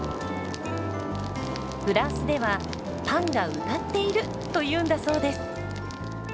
フランスでは「パンが歌っている！」というんだそうです。